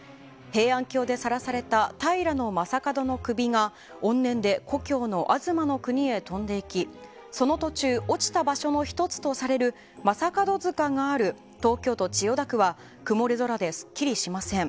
平安京でさらされた平将門の首が怨念で故郷の東国へ飛んでいきその途中、落ちた場所の１つとされる将門塚がある東京都千代田区は曇り空ですっきりしません。